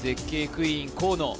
クイーン河野